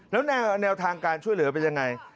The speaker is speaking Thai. แล้วแนวทางการช่วยเหลือเป็นยังไง